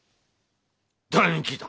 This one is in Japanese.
誰に聞いた！？